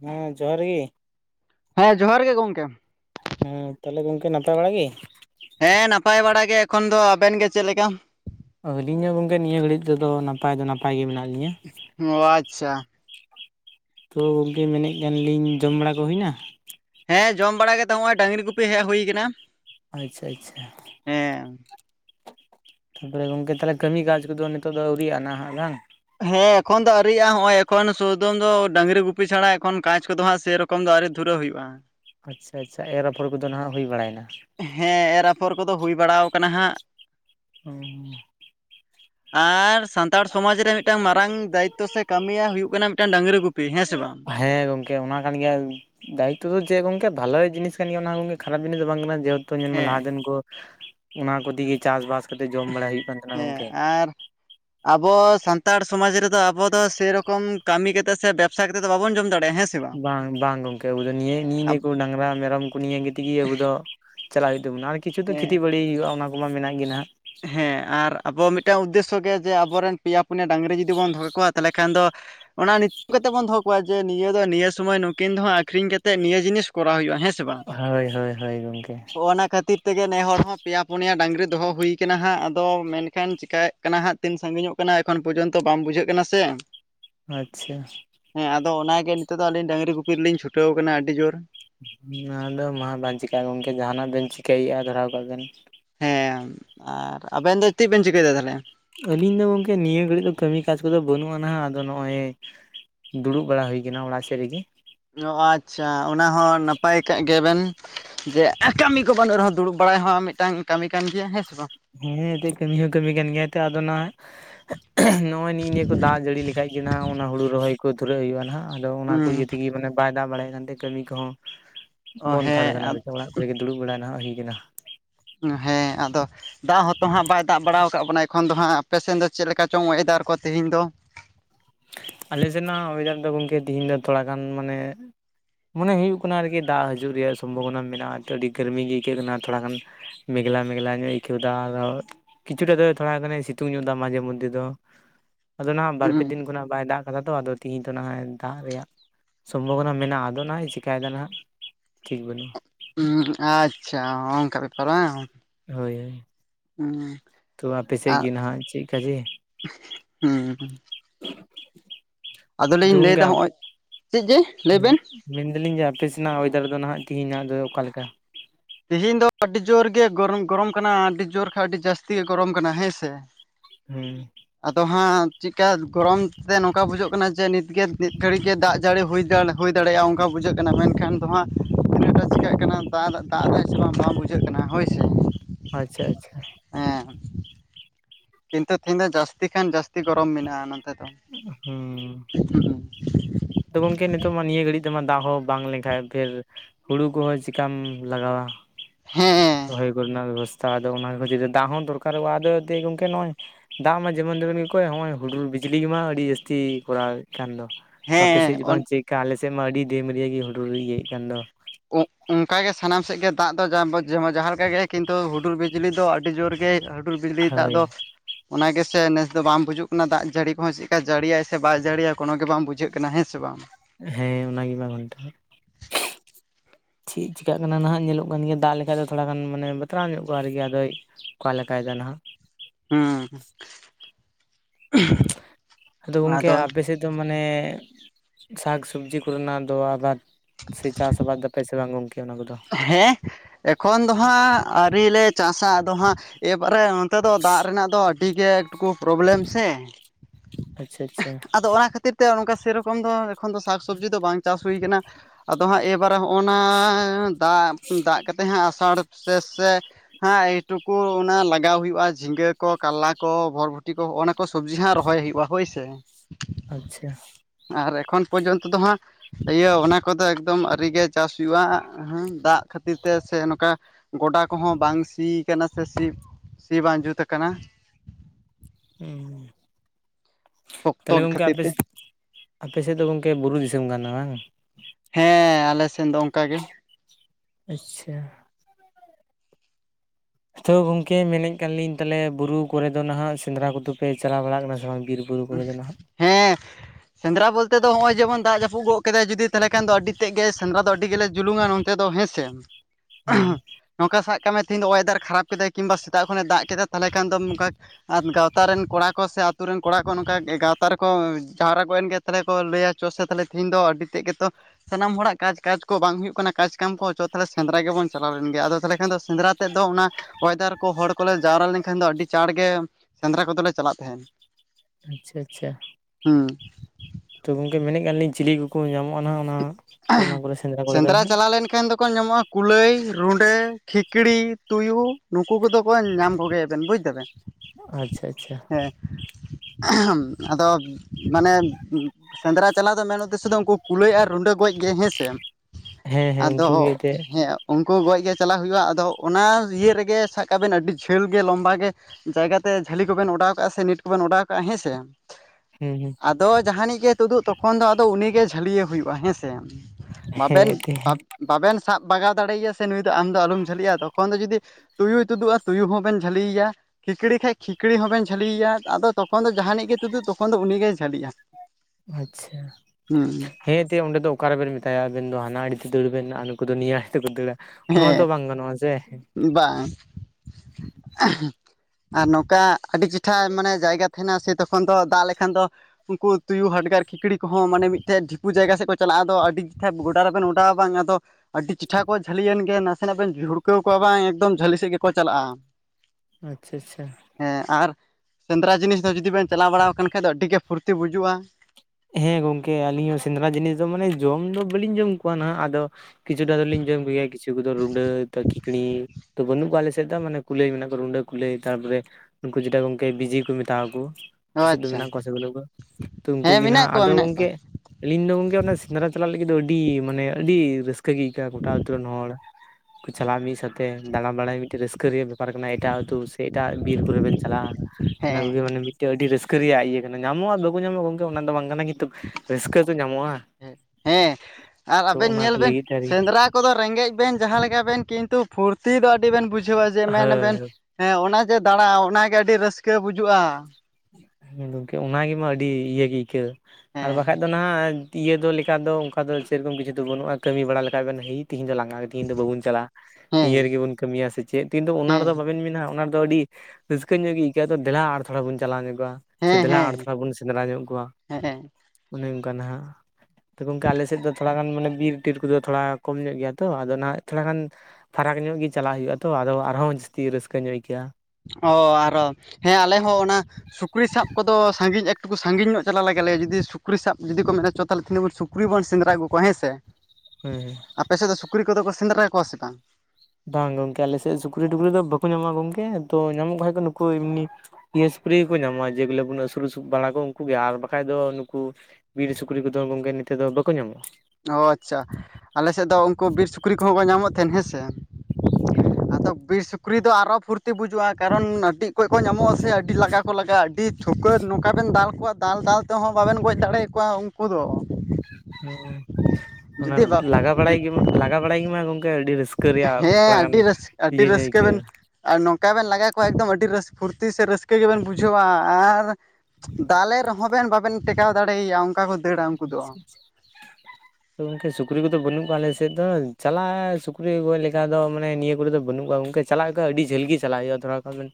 ᱦᱮᱸ ᱡᱚᱦᱟᱨ ᱜᱮ? ᱦᱮᱸ ᱡᱚᱦᱟᱨ ᱜᱮ ᱜᱚᱝᱠᱮ᱾ ᱦᱮᱸ ᱛᱟᱦᱚᱞᱮ ᱜᱚᱝᱠᱮ ᱱᱟᱯᱟᱭ ᱵᱟᱲᱟ ᱜᱮ? ᱦᱮᱸ ᱱᱟᱯᱟᱭ ᱵᱟᱲᱟ ᱜᱮ, ᱮᱠᱷᱚᱱ ᱫᱚ ᱟᱵᱮᱱ ᱜᱮ ᱪᱮᱫ ᱞᱮᱠᱟ? ᱟᱹᱞᱤᱧ ᱦᱚᱸ ᱜᱚᱝᱠᱮ ᱱᱤᱭᱟᱹ ᱜᱷᱟᱹᱲᱤᱡ ᱛᱮᱫᱚ᱾ ᱱᱟᱯᱟᱭ ᱫᱚ ᱱᱟᱯᱟᱭ ᱜᱮ ᱢᱮᱱᱟᱜ ᱞᱤᱧᱟᱹ᱾ ᱚ ᱟᱪᱪᱷᱟ ᱛᱚ ᱜᱚᱝᱠᱮ ᱢᱮᱱᱮᱫ ᱠᱟᱱᱞᱤᱤᱧ, ᱡᱚᱢ ᱵᱟᱲᱟ ᱠᱚ ᱦᱩᱭᱱᱟ? ᱦᱮᱸ ᱡᱚᱢ ᱵᱟᱲᱟ ᱜᱮᱟ ᱱᱚᱜᱼᱚᱭ ᱰᱟᱜᱽᱨᱤ ᱜᱩᱯᱤ ᱦᱮᱡ ᱦᱩᱭ ᱠᱟᱱᱟ᱾ ᱟᱪᱪᱷᱟ ᱟᱪᱪᱷᱟ ᱦᱮᱸ᱾ ᱛᱟᱯᱚᱨᱮ ᱜᱚᱝᱠᱮ ᱛᱟᱦᱚᱞᱮ ᱠᱟᱹᱢᱤ ᱠᱟᱡᱽ ᱠᱚᱼᱫᱚ ᱱᱤᱛᱚᱜ ᱫᱚ ᱟᱹᱣᱨᱤᱜᱼᱟ, ᱱᱟᱦᱟᱜ ᱵᱟᱝ? ᱦᱮᱸ ᱮᱠᱷᱚᱱ ᱫᱚ ᱟᱹᱣᱨᱤᱭᱟᱜᱼᱟ ᱾ ᱦᱚᱸᱜ ᱚᱭ ᱮᱠᱷᱚᱱ ᱥᱳᱣᱫᱚᱢ ᱫᱚ ᱰᱟᱹᱜᱽᱨᱤ ᱜᱩᱯᱤ ᱪᱷᱟᱲᱟ᱾ ᱮᱠᱷᱚᱱ ᱠᱟᱡ ᱠᱚᱼᱫᱚ ᱦᱟᱸᱜ ᱥᱮᱨᱚᱠᱚᱢ ᱠᱚᱢ ᱫᱚ ᱟᱹᱣᱨᱤ ᱫᱷᱽᱩᱨᱟᱹᱣ ᱦᱩᱭᱩᱜᱼᱟ᱾ ᱟᱪᱪᱷᱟ, ᱟᱪᱪᱷᱟ ᱮᱨ ᱟᱯᱷᱚᱨ ᱠᱚᱼᱫᱚ ᱱᱟᱜᱷ ᱦᱩᱭ ᱵᱟᱲᱟᱭᱮᱱᱟ᱾ ᱦᱮᱸ ᱮᱨ ᱟᱯᱷᱚᱨ ᱠᱚᱼᱫᱚ ᱦᱩᱭ ᱵᱟᱲᱟᱣ ᱟᱠᱟᱱᱟ ᱦᱟᱸᱜ᱾ ᱚ ᱦᱚᱸ᱾ ᱟᱨ ᱥᱟᱱ ᱥᱟᱱᱛᱟᱲ ᱥᱚᱢᱟᱡᱽ ᱨᱮ ᱢᱤᱫᱴᱟᱝ ᱢᱟᱨᱟᱝ ᱫᱟᱭᱤᱛᱛᱚ ᱥᱮ ᱠᱟᱹᱢᱤᱭᱟᱹ ᱦᱩᱭᱩᱜ ᱠᱟᱱᱟ ᱢᱤᱫᱴᱟᱝ ᱰᱟᱝᱨᱤ ᱜᱩᱯᱤ ᱦᱮᱸ ᱥᱮ ᱵᱟᱝ? ᱚᱸ ᱦᱮᱸ ᱜᱚᱝᱠᱮ ᱾ ᱜᱚᱢᱠᱮ ᱚᱱᱟ ᱠᱟᱱ ᱜᱮᱭᱟ ᱫᱟᱭᱤᱛᱛᱚ ᱫᱚ ᱡᱮ ᱜᱚᱝᱠᱮ ᱵᱷᱟᱞᱮ ᱡᱤᱱᱤᱥ ᱠᱟᱱ ᱜᱮᱭᱟ ᱚᱱᱟ ᱜᱚᱢᱠᱮ ᱠᱷᱟᱨᱟᱯ ᱡᱤᱱᱤᱥ ᱫᱚ ᱵᱟᱝ ᱠᱟᱱᱟ ᱡᱮᱦᱮᱛᱩ᱾ ᱛᱚ ᱧᱮᱞ ᱢᱮ ᱞᱟᱦᱟ ᱦᱮᱸ ᱫᱮᱱ ᱠᱚ ᱚᱱᱟ ᱠᱚ ᱛᱮᱜᱮ ᱪᱟᱥ ᱵᱟᱥ ᱾ ᱦᱮᱸ ᱟᱨ ᱟᱵᱚ ᱥᱟᱱᱛᱟᱲ ᱥᱚᱢᱟᱡᱽ ᱨᱮᱫᱚ ᱟᱵᱚ ᱫᱚ ᱥᱮᱨᱚᱠᱚᱢ ᱠᱟᱹᱢᱤ ᱠᱟᱛᱮᱫ ᱥᱮ ᱵᱮᱵᱽᱥᱟ ᱠᱟᱛᱮᱫ ᱫᱚ ᱵᱟᱵᱚᱱ ᱡᱚᱢ ᱫᱟᱲᱮᱭᱟᱜᱼᱟ ᱦᱮᱸ ᱥᱮ ᱵᱟᱝ ᱵᱟᱝ ᱜᱚᱝᱠᱮ ᱟᱵᱩ ᱫᱚ ᱱᱤᱭᱟᱹ ᱦᱮᱸ ᱱᱤᱜ ᱟᱵ ᱱᱤᱭᱟᱹ ᱠᱚ ᱰᱟᱝᱨᱟ ᱢᱮᱨᱚᱢ ᱠᱚ ᱱᱤᱭᱟᱹᱜᱮ ᱛᱮᱜᱮ ᱟᱵᱚᱫᱚ ᱫᱚ ᱪᱟᱞᱟᱜ ᱦᱩᱭᱩᱜ ᱛᱟᱵᱚᱱᱟ ᱟᱨ ᱠᱤᱪᱷᱩ ᱫᱚ ᱦᱮᱸ ᱠᱷᱮᱛᱤ ᱵᱟᱹᱲᱤ ᱦᱩᱭᱩᱜᱼᱟ ᱚᱱᱟ ᱠᱚᱢᱟ ᱢᱮᱱᱟᱜ ᱜᱮ ᱱᱟᱦᱟᱜ ᱾ ᱦᱮᱸ ᱟᱨ ᱟᱵᱚ ᱢᱤᱫᱴᱟᱱ ᱩᱫᱽᱫᱮᱥᱥᱚ ᱜᱮ ᱡᱮ ᱟᱵᱚᱨᱮᱱ ᱯᱮᱭᱟ ᱯᱩᱱᱭᱟᱹ ᱰᱟᱝᱨᱤ ᱡᱩᱫᱤ ᱵᱚᱱ ᱫᱚᱦᱚ ᱠᱮᱠᱚᱣᱟ ᱛᱟᱦᱚᱞᱮ ᱠᱷᱟᱱ ᱫᱚ ᱚᱱᱟ ᱧᱤᱛᱩᱢ ᱠᱟᱛᱮ ᱵᱚᱱ ᱫᱚᱦᱚ ᱠᱚᱣᱟ ᱡᱮ ᱱᱤᱭᱟᱹ ᱫᱚ ᱱᱤᱭᱟᱹ ᱥᱚᱢᱚᱭ ᱱᱩᱠᱤᱱ ᱫᱚ ᱱᱟᱜᱷ ᱟᱠᱷᱨᱤᱧ ᱠᱟᱛᱮᱜ ᱱᱤᱭᱟᱹ ᱡᱤᱱᱤᱥ ᱠᱚᱨᱟᱣ ᱦᱩᱭᱩᱜᱼᱟ ᱦᱮᱸ ᱥᱮ ᱵᱟᱝ, ᱦᱳᱭ ᱦᱳᱭ ᱦᱳᱭ ᱜᱚᱝᱠᱮ ᱚᱱᱟ ᱠᱷᱟᱹᱛᱤᱨ ᱛᱮᱜᱮ ᱱᱮᱦᱚᱲ ᱦᱚᱸ ᱯᱮᱭᱟ ᱯᱩᱱᱭᱟ ᱰᱟᱝᱨᱤ ᱫᱚᱦᱚ ᱦᱩᱭ [unintelligible] ᱦᱟᱸᱜ ᱟᱫᱚ ᱢᱮᱱᱠᱷᱟᱱ ᱪᱤᱠᱟᱭᱮᱫ ᱠᱟᱱᱟ ᱦᱟᱸᱜ ᱛᱤᱱ ᱥᱟᱺᱜᱤᱧᱚᱜ ᱠᱟᱱᱟ ᱮᱠᱷᱚᱱ ᱯᱚᱨᱡᱚᱱᱛᱚ ᱵᱟᱢ ᱵᱩᱡᱷᱟᱹᱜ ᱠᱟᱱᱟ ᱥᱮ᱾ ᱟᱪᱪᱷᱟ ᱾ ᱦᱮᱸ ᱟᱫᱚ ᱚᱱᱟᱜᱮ ᱱᱤᱛᱚᱜ ᱫᱚ ᱟᱹᱞᱤᱧ ᱰᱟᱝᱨᱤ ᱜᱩᱯᱤ ᱨᱮᱞᱤᱧ ᱪᱷᱩᱟᱹᱣ ᱟᱠᱟᱱᱟ ᱟᱹᱰᱤ ᱡᱳᱨ᱾ ᱱᱚᱣᱟ ᱫᱚ ᱢᱟ ᱵᱟᱝ ᱪᱤᱠᱟᱹᱜᱼᱟ ᱜᱚᱢᱠᱮ ᱡᱟᱦᱟᱱᱟᱜ ᱵᱮᱱ ᱪᱤᱠᱟᱹᱭᱮᱫᱼᱟ ᱫᱷᱚᱨᱟᱣ ᱠᱟᱜ ᱵᱮᱱ᱾ ᱦᱮᱸ ᱟᱨ ᱟᱵᱮᱱ ᱫᱚ ᱛᱮᱫ ᱵᱮᱱ ᱪᱤᱠᱟᱹᱭᱮᱫᱟ ᱛᱟᱦᱞᱮ ᱟᱹᱞᱤᱧ ᱫᱚ ᱜᱚᱝᱠᱮ ᱱᱤᱭᱟᱹ ᱜᱷᱟᱹᱲᱤᱡ ᱫᱚ ᱠᱟᱹᱢᱤ ᱠᱟᱡᱽ ᱠᱚᱫᱚ ᱵᱟᱹᱱᱩᱜ ᱟ ᱱᱟᱦᱟᱜ ᱟᱫᱚ ᱱᱚᱜᱼᱚᱭ ᱫᱩᱲᱩᱵ ᱵᱟᱲᱟ ᱦᱩᱭ ᱟᱠᱟᱱᱟ ᱚᱲᱟᱜ ᱥᱮᱫ ᱨᱮᱜᱮ᱾ ᱚ ᱟᱪᱪᱷᱟ ᱚᱱᱟ ᱦᱚᱸ ᱱᱟᱯᱟᱭ ᱠᱟᱜ ᱜᱮᱭᱟ ᱵᱮᱱ᱾ ᱡᱮ ᱠᱟᱹᱢᱤ ᱠᱚ ᱵᱟᱹᱱᱩᱜ ᱨᱮᱦᱚᱸ ᱫᱩᱲᱩᱵ ᱵᱟᱲᱟᱭ ᱦᱚᱸ ᱢᱤᱫᱴᱟᱝ ᱠᱟᱹᱢᱤ ᱠᱟᱱ ᱜᱮᱭᱟ ᱦᱮᱸ ᱥᱮ ᱵᱟᱝ? ᱦᱮᱸ ᱮᱱᱛᱮᱫ ᱠᱟᱹᱢᱤ ᱦᱚᱸ ᱠᱟᱹᱢᱤ ᱠᱟᱱ ᱜᱮᱭᱟ ᱟᱫᱚ ᱱᱟᱦᱟᱜ [unintelligible] ᱱᱚᱜᱼᱚᱭ ᱱᱤᱜ ᱱᱤᱭᱟᱹ ᱠᱚ ᱫᱟᱜ ᱡᱟᱹᱲᱤ ᱞᱮᱠᱷᱟᱡ ᱜᱮ ᱱᱟᱜᱷ ᱚᱱᱟ ᱦᱩᱲᱩ ᱨᱚᱦᱚᱭ ᱠᱚ ᱫᱷᱩᱨᱟᱹᱜ ᱦᱩᱭᱩᱜᱼᱟ ᱱᱟᱜᱷ ᱟᱫᱚ ᱚᱱᱟ ᱠᱚ ᱤᱭᱟᱹ ᱛᱮᱜᱮ ᱢᱟᱱᱮ ᱵᱟᱭ ᱫᱟᱜ ᱵᱟᱲᱟᱭᱮᱫᱟ ᱠᱟᱱᱛᱮ ᱠᱟᱹᱢᱤ ᱠᱚᱦᱚᱸ ᱚ ᱵᱚᱱᱫ ᱛᱷᱟᱲ ᱟᱠᱟᱱᱟ ᱦᱮᱸ ᱱᱤᱛᱚᱜ ᱚᱲᱟᱜ ᱠᱚᱨᱮᱜᱮ ᱫᱩᱲᱩᱵ ᱵᱟᱲᱟ ᱱᱟᱜᱷ ᱦᱩᱭ ᱟᱠᱟᱱᱟ ᱾ ᱦᱮᱸ ᱟᱫᱚ᱾ ᱫᱟᱜ ᱦᱚᱸᱛᱚ ᱦᱟᱸᱜ ᱵᱟᱭ ᱫᱟᱜ ᱵᱟᱲᱟᱟᱣ ᱟᱠᱟᱫ ᱵᱚᱱᱟ ᱮᱠᱷᱚᱱ ᱫᱚ ᱦᱟᱸᱜ ᱟᱯᱮ ᱥᱮᱱ ᱫᱚ ᱪᱮᱫ ᱞᱮᱠᱟ ᱪᱚᱝ ᱚᱦᱮᱫᱟᱨ ᱠᱚ ᱛᱮᱦᱮᱧ ᱫᱚ? ᱟᱞᱮ ᱥᱮᱱᱟᱜ ᱚᱭᱮᱫᱟᱨ ᱫᱚ ᱜᱚᱢᱠᱮ ᱛᱤᱦᱤᱧ ᱫᱚ ᱛᱷᱚᱲᱟ ᱜᱟᱱ ᱢᱟᱱᱮ ᱢᱚᱱᱮ ᱦᱩᱭᱩᱜ ᱠᱟᱱᱟ ᱟᱨᱠᱤ ᱫᱟᱜ ᱦᱤᱡᱩᱜ ᱨᱮᱭᱟᱜ ᱥᱚᱢᱵᱷᱚᱵᱚᱱᱟ ᱢᱮᱱᱟᱜᱼᱟ ᱟᱹᱰᱤ ᱜᱟᱨᱢᱤ ᱜᱮ ᱟᱹᱭᱠᱟᱹᱜ ᱠᱟᱱᱟ ᱛᱷᱚᱲᱟ ᱜᱟᱱ ᱢᱮᱜᱷᱞᱟ ᱢᱮᱜᱷᱞᱟ ᱧᱚᱜ ᱟᱹᱭᱠᱟᱹᱣᱮᱫᱟ ᱟᱫᱚ ᱠᱤᱪᱷᱩ ᱴᱟᱜ ᱫᱚ ᱛᱷᱚᱲᱟ ᱜᱟᱱᱮ ᱥᱤᱛᱩᱝ ᱧᱚᱜ ᱮᱫᱟ ᱢᱟᱡᱷᱮ ᱢᱚᱫᱽᱫᱷᱮ ᱫᱚ ᱟᱫᱚ ᱱᱟᱜᱷ ᱵᱟᱨ ᱯᱮ ᱱᱟᱜ ᱵᱟᱭ ᱫᱟᱜ ᱠᱟᱫᱟ ᱛᱚ ᱟᱫᱚ ᱛᱤᱦᱤᱧ ᱛᱚ ᱱᱟ ᱫᱟᱜ ᱨᱮᱭᱟᱜ ᱥᱚᱢᱵᱷᱟᱵᱚᱱᱟ ᱢᱮᱱᱟᱜᱼᱟ ᱟᱫᱚ ᱱᱟᱜᱷ ᱪᱤᱠᱟᱹᱭᱮᱫᱟ ᱱᱟᱜᱷ ᱴᱷᱤᱠ ᱵᱟᱹᱱᱩᱜᱼᱟ᱾ ᱟᱪᱪᱷᱟ ᱚᱱᱠᱟ ᱵᱮᱯᱟᱨ ᱵᱟᱝ? ᱦᱳᱭ ᱦᱳᱭ ᱾ ᱦᱩᱸ ᱛᱚ ᱟᱯᱮ ᱥᱮᱫ ᱜᱮ ᱱᱟᱜᱷ ᱪᱮᱫ ᱠᱟ ᱡᱮ? [inaudible] ᱫᱩ ᱟᱫᱚᱞᱤᱧ ᱜᱚᱝᱠᱮ ᱞᱟᱹᱭᱮᱫᱟ ᱦᱚᱸᱜᱼᱚᱭ ᱪᱮᱫ ᱡᱮ ᱞᱟᱹᱭᱵᱤᱱ ᱢᱮᱱᱫᱟᱞᱤᱧ ᱡᱮ ᱟᱯᱮ ᱥᱮᱱᱟᱜ ᱚᱭᱮᱫᱟᱨ ᱫᱚ ᱱᱟᱜᱷ ᱛᱤᱦᱮᱧᱟᱜ ᱫᱚ ᱚᱠᱟᱞᱮᱠᱟ? ᱛᱤᱦᱤᱧ ᱫᱚ ᱟᱹᱰᱤ ᱡᱳᱨ ᱜᱮ ᱜᱚᱨᱚᱢ ᱜᱚᱨᱚᱢ ᱠᱟᱱᱟ ᱟᱹᱰᱤ ᱡᱳᱨ ᱠᱷᱟᱱ ᱟᱹᱰᱤ ᱡᱟᱹᱥᱛᱤ ᱜᱮ ᱜᱚᱨᱚᱢ ᱠᱟᱱᱟ ᱦᱮᱸ ᱥᱮ [unintelligible] ᱦᱩᱸ᱾ ᱟᱫᱚ ᱦᱟᱸᱜ ᱪᱮᱫᱠᱟ ᱜᱚᱨᱚᱢ ᱛᱮ ᱱᱚᱝᱠᱟ ᱵᱩᱡᱟᱹᱜ ᱠᱟᱱᱟ ᱡᱮ ᱱᱤᱛᱜᱮ ᱱᱤᱛ ᱜᱷᱟᱹᱲᱤᱡ ᱜᱮ ᱫᱟᱜ ᱡᱟᱹᱲᱤ ᱦᱩᱭ ᱫᱟᱲᱮ ᱦᱩᱭ ᱫᱟᱲᱮᱭᱟᱜᱼᱟ ᱚᱱᱠᱟ ᱵᱩᱡᱷᱟᱹᱜ ᱠᱟᱱᱟ ᱢᱮᱱᱠᱷᱟᱱ ᱫᱚ ᱦᱟᱸᱜ ᱛᱤᱱᱟᱹᱜ ᱴᱟᱜ ᱪᱤᱠᱟᱹᱜ ᱠᱟᱱᱟ ᱾ [unintelligible] ᱫᱟᱜ ᱫᱟᱭ ᱥᱮ ᱵᱟᱝ ᱵᱟᱝ ᱵᱩᱡᱷᱟᱹᱜ ᱠᱟᱱᱟ ᱦᱳᱩᱥᱮ ᱾ ᱟᱪᱪᱷᱟ ᱟᱪᱪᱷᱟ ᱾ ᱦᱮᱸ ᱾ ᱠᱤᱸᱛᱩ ᱛᱮᱦᱤᱧ ᱫᱚ ᱡᱟᱹᱥᱛᱤ ᱠᱷᱟᱱ ᱡᱟᱹᱥᱛᱤ ᱜᱚᱨᱚᱢ ᱢᱮᱱᱟᱜᱼᱟ ᱱᱚᱱᱛᱮ ᱫᱚ᱾ ᱩᱸᱜ, ᱦᱩᱸ, ᱛᱚ ᱜᱚᱝᱠᱮ ᱱᱤᱛᱚᱜ ᱢᱟ ᱱᱤᱭᱟᱹ ᱜᱷᱟᱹᱲᱤᱡ ᱛᱮᱢᱟ ᱫᱟᱜ ᱦᱚᱸ ᱵᱟᱝ ᱞᱮᱝᱠᱷᱟᱡ ᱳᱠᱮᱫ ᱦᱩᱲᱩ ᱠᱚᱦᱚᱸ ᱪᱮᱠᱟᱢ ᱞᱟᱜᱟᱣᱟ, ᱦᱮᱸ ᱨᱚᱦᱚᱭ ᱠᱚᱨᱮᱱᱟᱜ ᱵᱮᱵᱚᱥ- ᱛᱟ, ᱫᱚ ᱚᱱᱟ ᱜᱮ ᱡᱩᱫᱤ ᱫᱟᱜ ᱦᱚᱸ ᱫᱚᱨᱠᱟᱨᱚᱜᱼᱟ ᱟᱫᱚ ᱡᱩᱫᱤ ᱜᱚᱝᱠᱮ ᱱᱚᱜᱼᱚᱭ ᱫᱟᱜ ᱢᱟ ᱡᱮᱢᱚᱱ ᱛᱮᱢᱚᱱ ᱜᱮᱠᱚ ᱦᱚᱸᱜᱼᱚᱭ ᱦᱩᱰᱩᱨ ᱵᱤᱡᱽᱞᱤ ᱜᱮᱢᱟ ᱟᱹᱰᱤ ᱡᱟᱹᱥᱛᱤ ᱠᱚᱨᱟᱣ ᱮᱫ ᱠᱟᱱ ᱫᱚ᱾ ᱛᱚ ᱟᱯᱮᱥᱮᱡ ᱦᱮᱸ ᱵᱟᱝ ᱪᱮᱠᱼᱟ, ᱟᱞᱮᱥᱮᱫ ᱢᱟ ᱟᱹᱰᱤ ᱰᱮᱢ ᱨᱮᱭᱟᱜ ᱜᱮ ᱦᱩᱰᱩᱨ ᱤᱭᱟᱹ ᱭᱮᱜ ᱠᱟᱱ ᱫᱚ᱾ ᱚᱸᱜ, ᱚᱸᱠᱟ ᱜᱮ ᱥᱟᱱᱟᱢ ᱥᱮᱜ ᱜᱮ ᱫᱟᱜ ᱫᱚ ᱡᱟᱦᱟᱸ ᱵᱚᱱ ᱡᱚᱢᱼᱟ, ᱡᱟᱦᱟᱸ ᱞᱮᱠᱟ ᱜᱮ ᱠᱤᱸᱛᱩ ᱦᱩᱰᱩᱨ ᱵᱤᱡᱽᱞᱤ ᱫᱚ ᱟᱹᱰᱤ ᱡᱳᱨ ᱜᱮᱭ ᱦᱩᱰᱩᱨ ᱵᱤᱡᱽᱞᱤ ᱭᱮᱫᱟᱭ, ᱦᱳᱭ ᱟᱫᱚ ᱚᱱᱟ ᱜᱮᱥᱮ ᱱᱮᱥ ᱫᱚ ᱵᱟᱢ ᱵᱩᱡᱩᱜ ᱠᱟᱱᱟ, ᱫᱟᱜ ᱡᱟᱹᱲᱤ ᱠᱚᱦᱚᱸ ᱪᱮᱜ ᱠᱟ ᱡᱟᱹᱲᱤᱭᱟᱭ ᱥᱮ ᱵᱟᱭ ᱡᱟᱹᱲᱤᱭᱟᱭ ᱠᱚᱱᱳ ᱜᱮ ᱵᱟᱢ ᱵᱩᱡᱷᱟᱹᱜ ᱠᱟᱱᱟ, ᱦᱮᱸ ᱥᱮ ᱵᱟᱝ? ᱦᱮᱸ ᱚᱱᱟ ᱜᱮ ᱵᱟ ᱜᱷᱚᱱᱴᱟ᱾ ᱪᱮᱜ ᱪᱮᱠᱟᱹᱜ ᱠᱟᱱᱟ ᱱᱷᱟᱸᱜ ᱧᱮᱞᱚᱜ ᱠᱟᱱ ᱜᱮᱭᱟ, ᱫᱟᱜ ᱞᱮᱠᱷᱟᱡ ᱫᱚ ᱛᱷᱚᱲᱟ ᱜᱟᱱ ᱢᱟᱱᱮ ᱵᱟᱛᱨᱟᱣ ᱧᱚᱜ ᱠᱚᱜᱼᱟ ᱟᱨᱠᱤ ᱟᱫᱚᱭ ᱚᱠᱟ ᱞᱮᱠᱟ ᱭᱮᱫᱟᱭ ᱱᱷᱟᱸᱜ? ᱦᱩᱸ, ᱟᱫᱚ ᱜᱚᱝᱠᱮ ᱟᱯᱮᱥᱮᱫ ᱫᱚ ᱢᱟᱱᱮ ᱥᱟᱠ ᱥᱚᱵᱽᱡᱤ ᱠᱚᱨᱮᱱᱟᱜ ᱫᱚ ᱟᱵᱟᱫ ᱥᱮ ᱪᱟᱥ ᱟᱵᱟᱫᱽ ᱮᱫᱟ ᱯᱮᱥᱮ ᱵᱟᱝ ᱜᱚᱝᱠᱮ ᱚᱱᱟ ᱠᱚᱫᱚ? ᱦᱮᱸ ᱮᱠᱷᱚᱱ ᱫᱚ ᱦᱟᱸᱜ ᱟᱹᱶᱨᱤ ᱞᱮ ᱪᱟᱸᱥᱼᱟ ᱟᱫᱚ ᱦᱟᱸᱜ ᱮ ᱵᱟᱨᱮ ᱱᱚᱛᱮ ᱫᱚ ᱫᱟᱜ ᱨᱮᱱᱟᱜ ᱫᱚ ᱟᱹᱰᱤ ᱜᱮ ᱮᱠ ᱴᱩᱠᱩ ᱯᱨᱚᱵᱽᱞᱮᱢ ᱥᱮ? ᱮᱸᱦ ᱟᱪᱪᱷᱟ ᱟᱪᱪᱷᱟ ᱟᱫᱚ ᱚᱱᱟ ᱠᱷᱟᱹᱛᱤᱨ ᱛᱮᱭᱟᱜ ᱱᱚᱝᱠᱟ ᱥᱮ ᱨᱚᱠᱚᱢ ᱫᱚ ᱮᱠᱷᱚᱱ ᱫᱚ ᱥᱟᱠ ᱥᱚᱵᱽᱡᱤ ᱫᱚ ᱵᱟᱝ ᱪᱟᱥ ᱦᱩᱭ ᱟᱠᱟᱱᱟ᱾ ᱟᱫᱚ ᱦᱟᱸᱜ ᱮᱵᱟᱨᱮ ᱦᱚᱸᱜᱼᱚᱻᱱᱟ ᱫᱟᱸᱜ ᱫᱟᱸᱜ ᱠᱟᱛᱮᱜ ᱦᱟᱸᱜ ᱟᱥᱟᱬ ᱥᱮ ᱥᱮ ᱦᱮᱸ ᱮᱭ ᱴᱩᱠᱩ ᱚᱱᱟ ᱞᱟᱜᱟᱣ ᱦᱩᱭᱩᱜᱼᱟ, ᱡᱷᱤᱸᱜᱟᱹ ᱠᱚ, ᱠᱟᱨᱞᱟ ᱠᱚ, ᱵᱷᱚᱨᱵᱷᱚᱴᱤ ᱠᱚ, ᱦᱚᱸᱜᱼᱚᱼᱱᱟ ᱠᱚ ᱥᱚᱵᱽᱡᱤ ᱦᱟᱸᱜ ᱨᱚᱦᱚᱭ ᱦᱩᱭᱩᱜᱼᱟ ᱦᱳᱭ ᱥᱮ? ᱟᱪᱪᱷᱟ᱾ ᱟᱨ ᱮᱠᱷᱚᱱ ᱯᱚᱡᱚᱝᱛᱚ ᱫᱚ ᱦᱟᱸᱜ ᱤᱭᱟᱹ ᱚᱱᱟ ᱠᱚᱫᱚ ᱮᱠᱫᱚᱢ ᱟᱹᱣᱨᱤᱜᱮ ᱪᱟᱥ ᱦᱩᱭᱩᱜᱼᱟ᱾ ᱦᱮᱸ ᱫᱟᱜ ᱠᱷᱟᱹᱛᱤᱨ ᱛᱮ ᱥᱮ ᱱᱚᱠᱟ ᱜᱚᱰᱟ ᱠᱚᱦᱚᱸ ᱵᱟᱝ ᱥᱤ ᱠᱟᱱᱟ ᱥᱮ ᱥᱤ ᱥᱤ ᱵᱟᱝ ᱡᱩᱛ ᱠᱟᱱᱟ, ᱦᱩᱸ, ᱛᱟᱦᱮᱞᱮ ᱥᱚᱠᱛᱚ ᱜᱚᱝᱠᱮ ᱠᱷᱟᱹᱛᱤᱨ ᱛᱮ ᱟᱯᱮᱥᱮᱡ ᱟᱯᱮ ᱥᱮᱫ ᱫᱚ ᱜᱚᱝᱠᱮ ᱵᱩᱨᱩ ᱫᱤᱥᱚᱢ ᱠᱟᱱᱟ ᱵᱟᱝ? ᱦᱮᱸ ᱟᱞᱮᱥᱮᱱ ᱫᱚ ᱚᱸᱠᱟ ᱜᱮ᱾ ᱟᱪᱪᱷᱟ, ᱛᱷᱚ ᱜᱚᱝᱠᱮ ᱢᱮᱱᱮᱫ ᱠᱟᱱᱟ ᱞᱤᱧ ᱛᱟᱦᱮᱞᱮ ᱵᱩᱨᱩ ᱠᱚᱨᱮ ᱫᱚ ᱱᱷᱟᱸᱜ ᱥᱮᱸᱫᱽᱨᱟ ᱠᱚᱫᱚ ᱯᱮ ᱪᱟᱞᱟᱣ ᱵᱟᱲᱟᱜ ᱠᱟᱱᱟ ᱥᱮ ᱵᱟᱝ ᱵᱤᱨ ᱵᱩᱨᱩ ᱠᱚᱨᱮ ᱟᱸᱦ, [inaudible] ᱥᱮᱸᱫᱽᱨᱟ ᱵᱚᱞᱛᱮ ᱫᱚ ᱦᱚᱸᱜᱼᱚᱭ ᱡᱮᱢᱚᱱ ᱫᱟᱜ ᱡᱟᱹᱯᱩᱜ ᱠᱮᱫᱟᱭ ᱡᱩᱫᱤ ᱛᱟᱦᱮᱞᱮ ᱠᱷᱟᱱ ᱟᱹᱰᱤ ᱛᱮᱜ ᱜᱮ ᱥᱮᱸᱫᱽᱨᱟ ᱫᱚ ᱟᱹᱰᱤ ᱜᱮᱞᱮ ᱡᱩᱞᱩᱝᱼᱟ ᱱᱚᱝ- ᱱᱚᱛᱮ ᱫᱚ ᱦᱮᱸᱥᱮ, [unintelligible] ᱦᱩᱸ ᱱᱚᱝᱠᱟ ᱥᱟᱵ ᱠᱟᱜ ᱢᱮ ᱛᱮᱦᱤᱧ ᱫᱚ ᱚᱭᱫᱟᱨ ᱠᱷᱟᱨᱟᱯ ᱠᱮᱫᱟᱭ ᱠᱤᱢ ᱵᱟ ᱥᱮᱛᱟᱜ ᱠᱷᱚᱱᱮ ᱫᱟᱜ ᱠᱮᱫᱟ ᱛᱟᱦᱚᱞᱮ ᱠᱷᱟᱱ ᱫᱚ ᱱᱚᱝᱠᱟ ᱟᱫ ᱜᱟᱶᱛᱟ ᱨᱮᱱ ᱠᱚᱲᱟ ᱠᱚ ᱥᱮ ᱟᱹᱛᱩ ᱨᱮᱱ ᱠᱚᱲᱟ ᱠᱚ ᱱᱚᱠᱟ ᱜᱮ ᱜᱟᱶᱛᱟ ᱨᱮᱠᱚ ᱡᱟᱣᱨᱟ ᱜᱚᱜ ᱮᱱ ᱜᱮ, ᱛᱟᱦᱮᱞᱮ ᱠᱚ ᱞᱟᱹᱭᱟ ᱪᱚ ᱥᱮ ᱛᱟᱦᱮᱞᱮ ᱛᱮᱦᱤᱧ ᱫᱚ ᱟᱹᱰᱤ ᱛᱮᱜ ᱜᱮᱛᱚ ᱥᱟᱱᱟᱢ ᱦᱚᱲᱟᱜ ᱠᱟᱡᱽ ᱠᱟᱡᱽ ᱠᱚ ᱵᱟᱝ ᱦᱩᱭᱩᱜ ᱠᱟᱱᱟ, ᱠᱟᱡᱽ ᱠᱟᱢ ᱠᱚ ᱪᱚ ᱛᱟᱦᱮᱞᱮ ᱥᱮᱸᱫᱽᱨᱟ ᱜᱮᱵᱚᱱ ᱪᱟᱞᱟᱣ ᱞᱮᱱ ᱜᱮ, ᱟᱫᱚ ᱛᱟᱦᱮᱞᱮ ᱠᱷᱟᱱ ᱫᱚ ᱥᱮᱸᱫᱽᱨᱟ ᱛᱮᱫ ᱫᱚ ᱚᱱᱟ ᱚᱭᱮᱫᱟᱨ ᱠᱚ ᱦᱚᱲ ᱠᱚᱞᱮ ᱡᱟᱣᱨᱟ ᱞᱮᱝᱠᱷᱟᱱ ᱫᱚ ᱟᱹᱰᱤ ᱪᱟᱲ ᱜᱮ ᱥᱮᱸᱫᱽᱨᱟ ᱠᱚᱫᱚ ᱞᱮ ᱪᱟᱞᱟᱜ ᱛᱟᱦᱮᱸᱱ᱾ ᱟᱪᱪᱷᱟ ᱟᱪᱪᱷᱟ᱾ ᱦᱩᱸ᱾ ᱛᱚ ᱜᱚᱢᱠᱮ ᱢᱮᱱᱮᱫ ᱠᱟᱱᱞᱤᱧ ᱪᱤᱞᱤ ᱠᱚᱠᱚ ᱧᱟᱢᱚᱜᱼᱟ ᱚᱱᱟ ᱚᱱᱟ ᱠᱚᱨᱮ ᱠᱚᱨᱮ ᱫᱚ ᱥᱮᱸᱫᱽᱨᱟ ᱱᱟᱦᱟᱜ ᱪᱟᱞᱟᱣ ᱞᱮᱱᱟ ᱮᱠᱷᱮᱱ ᱫᱚᱠᱚ ᱧᱟᱢᱚᱜ-ᱟ ᱠᱩᱞᱟᱹᱭ ᱨᱩᱸᱰᱟᱹ ᱠᱷᱤᱠᱲᱤ ᱛᱩᱭᱩ ᱱᱩᱠᱩ ᱠᱚᱫᱚ ᱠᱚ ᱧᱟᱢ ᱠᱚ ᱜᱮᱭᱟ᱾ ᱵᱮᱱ ᱵᱩᱡ ᱫᱟᱵᱮᱱ ᱟᱪᱪᱷᱟ ᱟᱪᱪᱷᱟ ᱦᱮᱸ, ᱟᱫᱚ ᱢᱟᱱᱮ ᱥᱮᱸᱫᱽᱨᱟ ᱪᱟᱞᱟᱣ ᱫᱚ ᱢᱮᱱ ᱩᱫᱽᱫᱮᱥᱥᱚ ᱫᱚ ᱩᱱᱠᱩ ᱠᱩᱞᱟᱹᱭ ᱟᱨ ᱨᱩᱸᱰᱟᱹ ᱜᱚᱡ ᱜᱮ ᱦᱮᱸᱥᱮ, ᱦᱮᱸ ᱦᱮᱸ ᱟᱫᱚ ᱩᱱᱠᱩ ᱜᱮ ᱮᱱᱛᱮᱫ ᱦᱮᱸ ᱩᱱᱠᱩ ᱜᱚᱡ ᱜᱮ ᱪᱟᱞᱟᱜ ᱦᱩᱭᱩᱜ-ᱟ ᱟᱫᱚ ᱚᱱᱟ ᱤᱭᱟᱹ ᱨᱮᱜᱮ ᱥᱟᱵ ᱠᱟᱜᱵᱤᱱ ᱟᱹᱰᱤ ᱡᱷᱟᱹᱞ ᱜᱮ ᱞᱚᱢᱵᱟ ᱜᱮ ᱡᱟᱭᱜᱟᱛᱮ ᱡᱷᱟᱹᱞᱤ ᱠᱚᱵᱮᱱ ᱚᱰᱟᱣ ᱠᱟᱜ-ᱟ ᱥᱮ ᱱᱮᱴ ᱠᱚᱵᱮᱱ ᱚᱰᱟᱣ ᱠᱟᱜ-ᱟ ᱦᱮᱸ ᱥᱮ ᱦᱮᱸ ᱦᱮᱸ ᱟᱫᱚ ᱡᱟᱦᱟᱸᱱᱤᱡ ᱜᱮ ᱛᱩᱫᱩᱜ ᱛᱚᱠᱷᱚᱱ ᱫᱚ ᱟᱫᱚ ᱩᱱᱤᱜᱮ ᱡᱷᱟᱹᱞᱤᱭᱮ ᱦᱩᱭᱩᱜ-ᱟ ᱦᱮᱸᱥᱮ, ᱦᱮᱸ ᱵᱟᱵᱮᱱ ᱮᱱᱛᱮ ᱦᱮᱸ ᱵᱟᱵᱮᱱ ᱥᱟᱵ ᱵᱟᱜᱟᱣ ᱫᱟᱲᱮᱭᱟᱭᱟ ᱥᱮ ᱱᱩᱭ ᱫᱚ ᱟᱢ ᱫᱚ ᱟᱞᱚᱢ ᱡᱷᱟᱹᱞᱤᱜ-ᱟ ᱛᱚᱠᱷᱚᱱ ᱫᱚ ᱡᱩᱫᱤ ᱛᱩᱭᱩᱭ ᱛᱩᱫᱩᱜ-ᱟ ᱛᱩᱭᱩ ᱦᱚᱸᱵᱤᱱ ᱡᱷᱟᱞᱤᱭᱮᱭᱟ, ᱠᱷᱤᱠᱲᱤ ᱠᱷᱟᱡ ᱠᱷᱤᱠᱲᱤ ᱦᱚᱸᱵᱮᱱ ᱡᱷᱟᱹᱞᱤᱭᱮᱭᱟ ᱟᱫᱚ ᱛᱚᱠᱷᱚᱱ ᱫᱚ ᱡᱟᱦᱟᱸᱱᱤᱡ ᱜᱮ ᱛᱩᱫᱩᱜ ᱛᱚᱠᱷᱚᱱ ᱫᱚ ᱩᱱᱤᱜᱮ ᱡᱷᱟᱹᱞᱤᱜ-ᱟ᱾ ᱟᱪᱪᱷᱟ ᱾ ᱦᱮᱸ ᱛᱮ ᱚᱸᱰᱮ ᱫᱚ ᱚᱠᱟᱨᱮ ᱵᱮᱱ ᱢᱮᱛᱟᱭᱟ ᱟᱵᱮᱱ ᱫᱚ ᱦᱟᱱᱟ ᱟᱲᱤᱛᱮ ᱫᱟᱹᱲ ᱵᱮᱱ ᱟᱨ ᱱᱩᱠᱩ ᱫᱚ ᱱᱤᱭᱟᱹ ᱟᱲᱤ ᱛᱮᱠᱚ ᱫᱟᱹᱲᱟ᱾ ᱱᱚᱣᱟ ᱫᱚ ᱦᱮᱸ ᱵᱟᱝ ᱜᱟᱱᱚᱜ-ᱟ ᱡᱮ, ᱵᱟᱝ ᱾ ᱟᱨ ᱱᱚᱝᱠᱟ ᱟᱹᱰᱤ ᱪᱮᱴᱷᱟ ᱢᱟᱱᱮ ᱡᱟᱭᱜᱟ ᱛᱟᱦᱮᱸᱱᱟ ᱥᱮ ᱛᱚᱠᱷᱚᱱ ᱫᱚ ᱫᱟᱜ ᱞᱮᱠᱷᱟᱱ ᱫᱚ ᱩᱱᱠᱩ ᱛᱩᱭᱩ ᱦᱟᱰᱜᱟᱨ ᱠᱷᱤᱠᱲᱤ ᱠᱚᱦᱚᱸ ᱢᱟᱱᱮ ᱢᱤᱫᱴᱮᱡ ᱰᱷᱤᱯᱩ ᱡᱟᱭᱜᱟ ᱥᱮᱫ ᱠᱚ ᱪᱟᱞᱟᱜ-ᱟ ᱟᱫᱚ ᱟᱹᱰᱤᱛᱷᱟ ᱜᱩᱰᱟ ᱨᱮᱵᱮᱱ ᱚᱰᱟᱣ ᱵᱟᱝ ᱟᱫᱚ ᱟᱹᱰᱤ ᱪᱤᱴᱴᱷᱟ ᱠᱚ ᱡᱷᱟᱹᱞᱤᱭᱮᱱ ᱜᱮ ᱱᱟᱥᱮᱱᱟᱜ ᱵᱮᱱ ᱡᱷᱩᱲᱠᱟᱹᱣ ᱠᱚᱣᱟ ᱵᱟᱝ ᱮᱠᱫᱚᱢ ᱡᱷᱟᱹᱞᱤ ᱥᱮᱫ ᱜᱮᱠᱩ ᱪᱟᱞᱟᱜ-ᱟ᱾ ᱟᱪᱪᱷᱟ ᱟᱪᱪᱷᱟ ᱾ ᱦᱮᱸ ᱟᱨ ᱥᱮᱸᱫᱽᱨᱟ ᱡᱤᱱᱤᱥ ᱫᱚ ᱡᱩᱫᱤ ᱵᱮᱱ ᱪᱟᱞᱟᱣ ᱵᱟᱲᱟ ᱟᱠᱟᱱ ᱠᱷᱟᱡ ᱫᱚ ᱟᱹᱰᱤ ᱜᱮ ᱯᱷᱩᱨᱛᱤ ᱵᱩᱡᱩᱜ-ᱟ ᱾ ᱦᱮᱸ ᱜᱚᱝᱠᱮ ᱟᱹᱞᱤᱧ ᱦᱚᱸ ᱥᱮᱸᱫᱽᱨᱟ ᱡᱤᱱᱤᱥ ᱫᱚ ᱢᱟᱱᱮ ᱡᱚᱢ ᱫᱚ ᱵᱟᱹᱞᱤᱧ ᱡᱚᱢ ᱠᱚᱣᱟ ᱱᱟᱦᱟᱜ ᱟᱫᱚ ᱠᱤᱪᱷᱩᱴᱟ ᱫᱚᱞᱤᱧ ᱡᱚᱢ ᱠᱚ ᱜᱮᱭᱟ ᱠᱤᱪᱷᱩᱫᱚ ᱨᱩᱸᱰᱟᱹ ᱛᱚ ᱠᱷᱤᱠᱲᱤ ᱛᱚ ᱵᱟᱹᱱᱩᱜ ᱠᱚᱣᱟ ᱟᱞᱮ ᱥᱮᱫ ᱫᱚ ᱢᱟᱱᱮ, ᱠᱩᱞᱟᱹᱭ ᱢᱮᱱᱟᱜ ᱠᱚᱣᱟ ᱨᱩᱸᱰᱟᱹ ᱠᱩᱞᱟᱹᱭ ᱛᱟᱨᱯᱚᱨᱮ ᱩᱱᱠᱩ ᱡᱮᱴᱟ ᱜᱚᱝᱠᱮ ᱵᱤᱡᱤ ᱠᱚ ᱢᱮᱛᱟᱣᱟ ᱠᱩ ᱾ ᱚ ᱟᱯᱮ ᱥᱮᱫ ᱫᱚ ᱟᱪᱪᱷᱟ ᱢᱤᱱᱟᱜ ᱠᱚᱣᱟ ᱥᱮ ᱵᱟᱱᱩᱜ ᱠᱩᱣᱟ ᱛᱚ ᱩᱱᱠᱩ ᱦᱮᱸ ᱜᱮ ᱦᱟᱸᱜ ᱢᱮᱱᱟᱜ ᱠᱚᱣᱟ ᱟᱫᱚ ᱢᱮᱱᱟᱜ ᱠᱚᱣᱟ ᱜᱚᱝᱠᱮ ᱟᱹᱞᱤᱧ ᱫᱚ ᱜᱚᱝᱠᱮ ᱚᱱᱟ ᱥᱮᱸᱫᱽᱨᱟ ᱪᱟᱞᱟᱜ ᱞᱟᱹᱜᱤᱫ ᱫᱚ ᱟᱹᱰᱤ ᱢᱟᱱᱮ ᱟᱹᱰᱤ ᱨᱟᱹᱥᱠᱟᱹ ᱜᱮ ᱟᱹᱭᱠᱟᱹᱜ-ᱟ ᱜᱚᱴᱟ ᱟᱛᱩ ᱨᱮᱱ ᱦᱚᱲ, ᱪᱟᱞᱟᱜ-ᱟ ᱢᱤᱫ ᱥᱟᱛᱮ ᱫᱟᱬᱟ ᱵᱟᱲᱟᱭ ᱢᱤᱫᱴᱮᱡ ᱨᱟᱹᱥᱠᱟᱹ ᱨᱮᱭᱟᱜ ᱵᱮᱯᱟᱨ ᱠᱟᱱᱟ ᱮᱴᱟᱜ ᱟᱹᱛᱩ ᱥᱮ ᱮᱴᱟᱜ ᱵᱤᱨ ᱠᱚᱨᱮ ᱵᱮᱱ ᱪᱟᱞᱟᱜ-ᱟ᱾ ᱚᱱᱟ ᱦᱮᱸ ᱠᱩᱜᱮ ᱢᱟᱱᱮ ᱢᱤᱫᱴᱮᱡ ᱟᱹᱰᱤ ᱨᱟᱹᱥᱠᱟᱹ ᱨᱮᱭᱟᱜ ᱤᱭᱟᱹ ᱠᱟᱱᱟ ᱧᱟᱢᱚᱜ-ᱟ ᱟᱨ ᱵᱟᱠᱩ ᱧᱟᱢᱚᱜ-ᱟ ᱜᱚᱝᱠᱮ ᱚᱱᱟ ᱫᱚ ᱵᱟᱝ ᱠᱟᱱᱟ ᱠᱤᱱᱛᱩ ᱨᱟᱹᱥᱠᱟᱹ ᱫᱚ ᱧᱟᱢᱚᱜᱼᱟ ᱦᱮᱸ ᱟᱨ ᱛᱚ ᱟᱵᱮᱱ ᱚᱱᱟ ᱧᱮᱞ ᱠᱚ ᱵᱮᱱ ᱞᱟᱹᱜᱤᱫ ᱛᱮ ᱟᱨᱠᱤ ᱥᱮᱸᱫᱽᱨᱟ ᱠᱚᱫᱚ ᱨᱮᱸᱜᱮᱡ ᱵᱮᱱ ᱡᱟᱦᱟᱸ ᱞᱮᱠᱟ ᱵᱮᱱ ᱠᱤᱱᱛᱩ ᱯᱷᱩᱨᱛᱤ ᱫᱚ ᱟᱰᱤ ᱵᱮᱱ ᱵᱩᱡᱷᱟᱹᱣᱟ ᱡᱮ ᱢᱮᱱ ᱟᱵᱮᱱ, ᱦᱳᱭ ᱦᱮᱸ ᱚᱱᱟ ᱡᱮ ᱫᱟᱬᱟ ᱚᱱᱟᱜᱮ ᱟᱹᱰᱤ ᱨᱟᱹᱥᱠᱟᱹ ᱵᱩᱡᱩᱜ-ᱟ ᱾ ᱜᱚᱝᱠᱮ ᱚᱱᱟᱜᱮ ᱢᱟ ᱟᱹᱰᱤ ᱤᱭᱟᱹᱜᱮ ᱟᱹᱭᱠᱟᱹᱜ ᱟᱨ ᱦᱮᱸ ᱵᱟᱠᱷᱟᱡ ᱫᱚ ᱱᱟᱦᱟᱜ ᱤᱭᱟᱹ ᱫᱚ ᱞᱮᱠᱟ ᱫᱚ ᱚᱱᱠᱟ ᱫᱚ ᱥᱮ ᱨᱚᱠᱚᱢ ᱠᱤᱪᱷᱩ ᱫᱚ ᱵᱟᱹᱱᱩᱜ-ᱟ ᱠᱟᱹᱢᱤ ᱵᱟᱲᱟ ᱞᱮᱠᱷᱟᱱ ᱵᱮᱱ ᱦᱤᱡ ᱛᱤᱦᱤᱧ ᱫᱚ ᱞᱟᱸᱜᱟ ᱛᱤᱦᱤᱧ ᱫᱚ ᱵᱟᱵᱩᱱ ᱪᱟᱞᱟᱜ-ᱟ᱾ ᱦᱮᱸ ᱱᱤᱭᱟᱹ ᱨᱮᱜᱮ ᱵᱚᱱ ᱠᱟᱹᱢᱤᱭᱟ ᱥᱮ ᱪᱮᱫ ᱠᱤᱱᱛᱩ ᱩᱱᱟ ᱦᱮᱸ ᱨᱮᱫᱚ ᱵᱟᱵᱮᱱ ᱢᱮᱱᱟ ᱩᱱᱟ ᱨᱮᱫᱚ ᱟᱹᱰᱤ ᱨᱟᱹᱥᱠᱟᱹ ᱧᱚᱜ ᱜᱮ ᱟᱹᱭᱠᱟᱹᱣ ᱛᱚ ᱫᱮᱞᱟ ᱟᱨ ᱛᱷᱚᱲᱟ ᱵᱚᱱ ᱪᱟᱞᱟᱣ ᱧᱚᱜᱚᱜ-ᱟ ᱾ ᱥᱮ ᱦᱮᱸ ᱫᱮᱞᱟ ᱟᱨ ᱦᱮᱸ ᱛᱷᱚᱲᱟ ᱵᱩᱱ ᱥᱮᱸᱫᱽᱨᱟ ᱧᱚᱜ ᱠᱚᱣᱟ ᱦᱮᱸ ᱚᱱᱮ ᱩᱝᱠᱟ ᱦᱟᱸᱜ ᱛᱚ ᱜᱚᱝᱠᱮ ᱟᱞᱮ ᱥᱮᱫ ᱫᱚ ᱛᱷᱚᱲᱟ ᱜᱟᱱ ᱢᱟᱱᱮ ᱵᱤᱨ ᱴᱤᱨ ᱠᱚᱫᱚ ᱛᱷᱚᱲᱟ ᱠᱚᱢ ᱧᱚᱜ ᱜᱮᱭᱟ ᱛᱚ ᱟᱫᱚ ᱚᱱᱟ ᱱᱟᱦᱟᱜ ᱛᱷᱚᱲᱟ ᱜᱟᱱ ᱯᱷᱟᱨᱟᱠ ᱧᱚᱜ ᱜᱤ ᱪᱟᱞᱟᱜ ᱦᱩᱭᱩᱜ-ᱟ ᱛᱚ ᱟᱫᱚ ᱟᱨᱦᱚᱸ ᱡᱟᱹᱥᱛᱤ ᱨᱟᱹᱥᱠᱟᱹ ᱧᱚᱜ ᱟᱹᱭᱠᱟᱹᱜ-ᱟ ᱾ ᱚ ᱟᱨᱚ ᱦᱮᱸ ᱟᱞᱮ ᱦᱚᱸ ᱚᱱᱟ ᱥᱩᱠᱨᱤ ᱥᱟᱵ ᱠᱚᱫᱚ ᱥᱟᱸᱜᱤᱧ ᱮᱠ ᱴᱩᱠᱩ ᱥᱟᱸᱜᱤᱧ ᱧᱚᱜ ᱪᱟᱞᱟ ᱞᱟᱜᱟ ᱟᱞᱮᱭᱟ ᱡᱩᱫᱤ ᱥᱩᱠᱨᱤ ᱥᱟᱵ ᱡᱩᱫᱤ ᱠᱚ ᱢᱮᱱᱟ ᱪᱚ ᱛᱟᱦᱞᱮ ᱵᱚᱱ ᱥᱩᱠ ᱥᱩᱠᱨᱤ ᱵᱚᱱ ᱥᱮᱸᱫᱽᱨᱟ ᱟᱹᱜᱩ ᱠᱚᱣᱟ ᱦᱮᱸᱥᱮ᱾ ᱦᱮᱸ ᱟᱯᱮ ᱥᱮᱫ ᱫᱚ ᱥᱩᱠᱨᱤ ᱠᱚᱫᱚ ᱠᱚ ᱥᱮᱸᱫᱽᱨᱟ ᱠᱚᱣᱟ ᱥᱮ ᱵᱟᱝ? ᱵᱟᱝ ᱜᱚᱝᱠᱮ ᱟᱞᱮ ᱥᱮᱫ ᱥᱩᱠᱨᱤ ᱴᱩᱠᱨᱤ ᱫᱚ ᱵᱟᱠᱩ ᱧᱟᱢᱚᱜ-ᱟ ᱜᱚᱝᱠᱮ, ᱛᱚ ᱧᱟᱢᱚᱜ ᱠᱷᱟᱡ ᱠᱚ ᱱᱩᱠᱩ ᱮᱢᱱᱤᱼᱼ ᱤᱭᱟᱹ ᱥᱩᱠᱨᱤ ᱜᱮ ᱠᱚ ᱧᱟᱢᱚᱜ-ᱟ ᱡᱮ ᱵᱚᱞᱮ ᱵᱩᱱ ᱟᱹᱥᱩᱞ ᱟᱹᱥᱩᱞ ᱵᱟᱲᱟ ᱠᱚ ᱩᱱᱠᱩ ᱜᱮ ᱟᱨ ᱵᱟᱠᱷᱟᱡ ᱫᱚ ᱱᱩᱠᱩᱼᱼ ᱵᱤᱨ ᱥᱩᱠᱨᱤ ᱠᱚᱫᱚ ᱜᱚᱝᱠᱮ ᱱᱚᱛᱮ ᱫᱚ ᱵᱟᱠᱚ ᱧᱟᱢᱚᱜ-ᱟ ᱾ ᱚ ᱟᱪᱪᱷᱟ, ᱟᱞᱮ ᱥᱮᱫ ᱫᱚ ᱩᱱᱠᱩ ᱵᱤᱨ ᱥᱩᱠᱨᱤ ᱠᱚᱦᱚᱸ ᱠᱚ ᱧᱟᱢᱚᱜ ᱛᱟᱦᱮᱸᱱ ᱦᱮᱸ ᱥᱮ ᱾ ᱦᱩᱸ ᱾ ᱟᱫᱚ ᱵᱤᱨ ᱥᱩᱠᱨᱤ ᱫᱚ ᱟᱨᱚ ᱯᱷᱩᱨᱛᱤ ᱵᱩᱡᱩᱜ-ᱟ ᱠᱟᱨᱚᱱ ᱟᱹᱰᱤ ᱚᱠᱚᱡ ᱠᱚ ᱧᱟᱢᱚᱜ-ᱟ ᱥᱮ ᱟᱹᱰᱤ ᱞᱟᱜᱟᱼᱼ ᱠᱚ ᱞᱟᱜᱟᱜ-ᱟ, ᱟᱹᱰᱤ ᱴᱷᱩᱠᱟᱹᱨ ᱱᱚᱝᱠᱟ ᱵᱮᱱ ᱫᱟᱞ ᱠᱚᱣᱟ ᱫᱟᱞ ᱫᱟᱞ ᱛᱮᱦᱚᱸ ᱵᱟᱵᱤᱱ ᱜᱚᱡ ᱫᱟᱲᱮᱭᱟ ᱠᱚᱣᱟ ᱩᱱᱠᱩ ᱫᱚ ᱾ ᱦᱩᱸ, ᱚᱱᱟ ᱵᱟᱯ ᱞᱟᱜᱟ ᱵᱟᱲᱟᱭ ᱜᱮ ᱢᱟ ᱞᱟᱜᱟ ᱵᱟᱲᱟᱭ ᱜᱮ ᱢᱟ ᱜᱚᱝᱠᱮ ᱟᱹᱰᱤ ᱨᱟᱹᱥᱼᱼ ᱠᱟᱹ ᱨᱮᱭᱟᱜ ᱛᱷᱚᱲᱟ ᱦᱮᱸ ᱜᱟᱱ ᱟᱹᱰᱤ ᱨᱟᱹᱥᱠᱟᱹ ᱟᱹᱰᱤ ᱤᱭᱟᱹ ᱧᱚᱜ ᱨᱟᱹᱥᱠᱟᱹ ᱟᱹᱭᱠᱟᱹᱜ ᱵᱮᱱ ᱾ ᱟᱨ ᱱᱚᱝᱠᱟ ᱵᱮᱱ ᱞᱟᱜᱟ ᱠᱚᱣᱟ ᱮᱠᱫᱚᱢ ᱟᱹᱰᱤ ᱨᱟᱹᱥ ᱯᱷᱩᱨᱛᱤ ᱥᱮ ᱨᱟᱹᱥᱠᱟᱹ ᱜᱮᱵᱮᱱ ᱵᱩᱡᱷᱟᱹᱣᱟ ᱟᱨᱼᱼ ᱫᱟᱞᱮ ᱨᱮᱦᱚᱸ ᱵᱮᱱ ᱵᱟᱵᱮᱱ ᱴᱮᱠᱟᱣ ᱫᱟᱲᱮᱭ ᱭᱟ ᱚᱱᱠᱟ ᱠᱚᱼᱼ [unintelligible] ᱛᱚ ᱜᱚᱝᱠᱮ ᱥᱩᱠᱨᱤ ᱠᱚᱫᱚ ᱵᱟᱹᱱᱩᱜ ᱠᱚᱣᱟ ᱟᱞᱮ ᱥᱮᱫ ᱫᱚ, ᱪᱟᱞᱟᱜ-ᱟ ᱥᱩᱠᱨᱤ ᱜᱚᱡ ᱞᱮᱠᱟ ᱫᱚ ᱢᱟᱱᱮ ᱱᱤᱭᱟᱹ ᱠᱚᱨᱮ ᱫᱚ ᱵᱟᱹᱱᱩᱜ ᱠᱚᱣᱟ ᱜᱚᱝᱠᱮ ᱾ ᱪᱟᱞᱟᱜ ᱦᱩᱭᱩᱜ ᱠᱷᱟᱡ ᱟᱹᱰᱤ ᱡᱷᱟᱹᱞ ᱜᱤ ᱪᱟᱞᱟᱜ ᱦᱩᱭᱩᱜ-ᱟ, ᱛᱷᱚᱲᱟ ᱠᱷᱟᱡ ᱢᱮᱱ